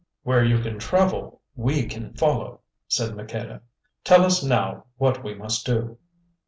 "Where you can travel we can follow," said Maqueda. "Tell us now what we must do."